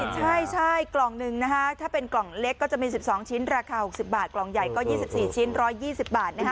ใช่กล่องหนึ่งนะฮะถ้าเป็นกล่องเล็กก็จะมี๑๒ชิ้นราคา๖๐บาทกล่องใหญ่ก็๒๔ชิ้น๑๒๐บาทนะฮะ